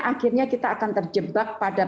akhirnya kita akan terjebak pada